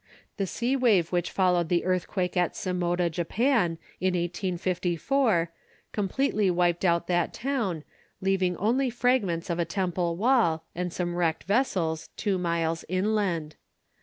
The sea wave which followed the earthquake at Simoda, Japan, in 1854, completely wiped out that town, leaving only fragments of a temple wall, and some wrecked vessels, two miles inland.